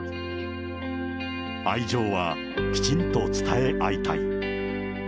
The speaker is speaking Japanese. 愛情はきちんと伝え合いたい。